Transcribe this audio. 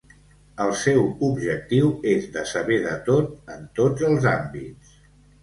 El seu objectiu és de saber de tot en tots els àmbits.